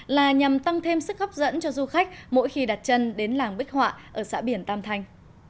là nhằm tăng thêm sức hấp dẫn cho du khách mỗi khi đặt chân đến làng bích họa ở xã biển tam thanh